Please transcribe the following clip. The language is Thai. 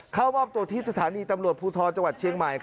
เข้ามอบตัวที่สถานีตำรวจภูทรจังหวัดเชียงใหม่